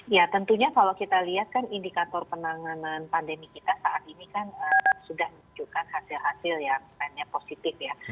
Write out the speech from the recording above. ya tentunya kalau kita lihat kan indikator penanganan pandemi kita saat ini kan sudah menunjukkan hasil hasil yang trendnya positif ya